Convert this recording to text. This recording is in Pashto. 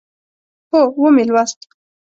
هو، ومی لوست